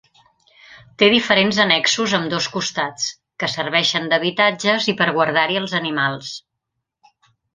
Té diferents annexos a ambdós costats que serveixen d'habitatges i per guardar-hi els animals.